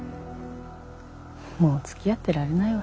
もうつきあってられないわ。